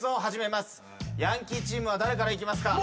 ヤンキーチームは誰からいきますか？